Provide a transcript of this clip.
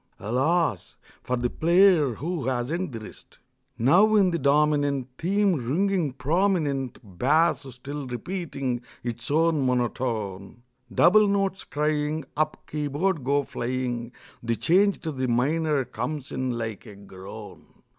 (Alas! for the player who hasn't the wrist!) Now in the dominant Theme ringing prominent, Bass still repeating its one monotone, Double notes crying, Up keyboard go flying, The change to the minor comes in like a groan.